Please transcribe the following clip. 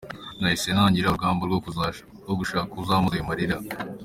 Nahise ntangira urugamba rwo gushaka uzampoza ayo marira.